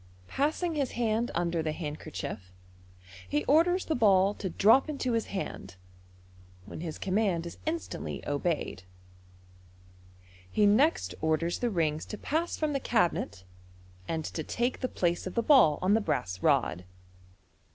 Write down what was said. Passing his hand under the handkerchief, he orders the ball to drop into his hand, when his command is instantly obeyed 23* MODERN MA GIC He next orders the rings to pass from the cabinet, and to take the place of the ball on the brass rod.